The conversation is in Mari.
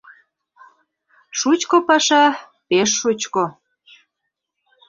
Шучко паша, пеш шучко!